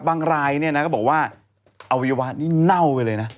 รายเนี่ยนะก็บอกว่าอวัยวะนี่เน่าไปเลยนะ